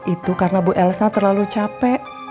itu karena bu elsa terlalu capek